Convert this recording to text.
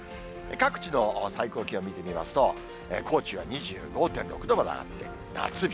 各地の最高気温見てみますと、高知は２５．６度まで上がって、夏日。